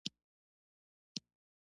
استاد بینوا د ستونزو ریښې پېژندلي.